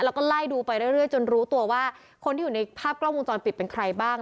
แล้วก็ไล่ดูไปเรื่อยจนรู้ตัวว่าคนที่อยู่ในภาพกล้องวงจรปิดเป็นใครบ้าง